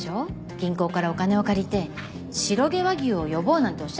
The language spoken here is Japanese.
銀行からお金を借りて白毛和牛を呼ぼうなんておっしゃってる場合でしょうか。